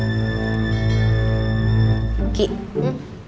itu tadi di depan ada temennya mbak michelle